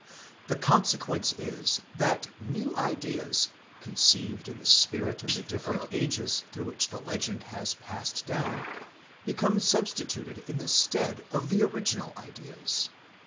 The consequence is, that new ideas, conceived in the spirit of the different ages through which the legend has passed down, become substituted in the stead of the original ideas.